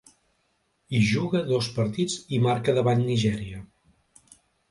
Hi juga dos partits i marca davant Nigèria.